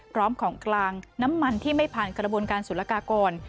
พร้อมของกลางน้ำมันที่ไม่ผ่านกระบวนการสุรกากร